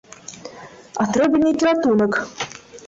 А трэба нейкі ратунак!